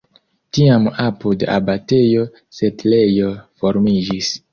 Tiam apud abatejo setlejo formiĝis.